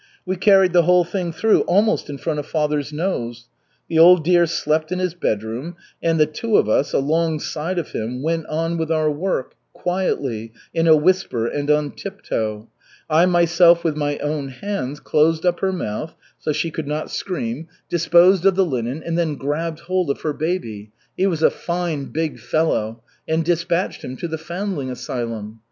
We carried the whole thing through almost in front of father's nose. The old dear slept in his bedroom, and the two of us, alongside of him, went on with our work, quietly, in a whisper and on tiptoe. I myself with my own hands closed up her mouth, so she could not scream, disposed of the linen, and then grabbed hold of her baby he was a fine, big fellow and dispatched him to the foundling asylum.